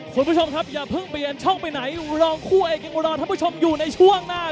คุณผู้ชมครับอย่าเพิ่งเปลี่ยนช่องไปไหนรองคู่เอกยังอุรอท่านผู้ชมอยู่ในช่วงหน้า